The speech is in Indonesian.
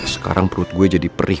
sekarang perut gue jadi perih